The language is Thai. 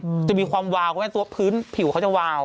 อืมจะมีความวาวคุณแม่ตัวพื้นผิวเขาจะวาว